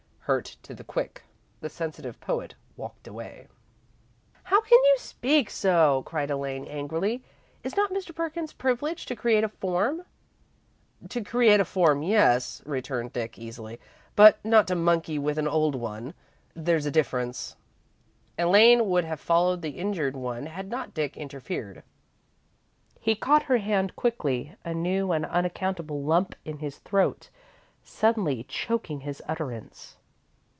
Hurt to the quick, the sensitive poet walked away. "How can you speak so!" cried Elaine, angrily. "Is not Mr. Perkins privileged to create a form?" "To create a form, yes," returned Dick, easily, "but not to monkey with an old one. There's a difference." Elaine would have followed the injured one had not Dick interfered. He caught her hand quickly, a new and unaccountable lump in his throat suddenly choking his utterance.